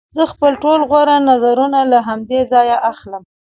زه خپل ټول غوره نظرونه له همدې ځایه اخلم